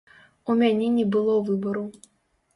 У мяне не было выбару.